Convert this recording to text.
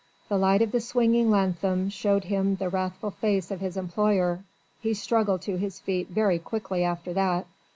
The light of the swinging lanthorn showed him the wrathful face of his employer. He struggled to his feet very quickly after that.